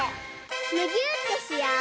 むぎゅーってしよう！